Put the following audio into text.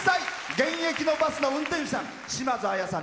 現役のバスの運転手さん。